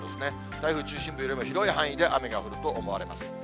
台風中心部よりも広い範囲で雨が降ると思われます。